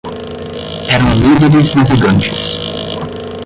Eram líderes navegantes